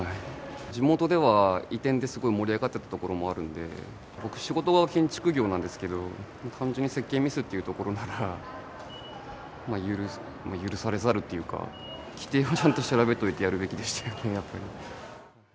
地元では移転ですごい盛り上がってたところもあるんで、僕、仕事が建築業なんですけど、単純に設計ミスというところなら許されざるというか、規定はちゃんと調べといてやるべきでしたよね。